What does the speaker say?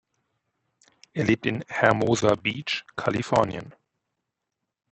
Er lebt in Hermosa Beach, Kalifornien.